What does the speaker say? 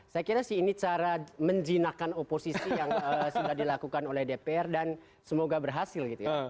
saya kira ini cara menjinakkan oposisi yang sudah dilakukan oleh dpr dan semoga berhasil